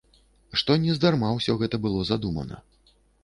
Што нездарма ўсё гэта было задумана.